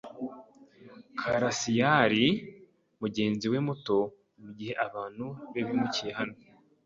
Karasirayari mugenzi we muto mugihe abantu be bimukiye hano.